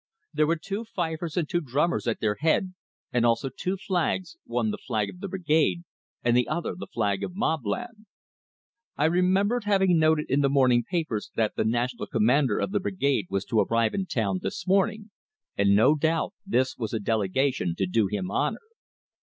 There were two fifers and two drummers at their head, and also two flags, one the flag of the Brigade, and the other the flag of Mobland. I remembered having noted in the morning papers that the national commander of the brigade was to arrive in town this morning, and no doubt this was a delegation to do him honor.